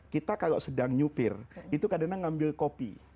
kita kalau sedang nyupir itu kadang kadang ngambil kopi